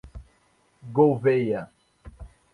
Gouvêia